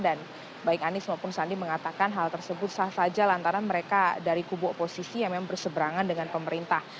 dan baik anies maupun sandi mengatakan hal tersebut sah sahaja lantaran mereka dari kubu oposisi yang memang berseberangan dengan pemerintah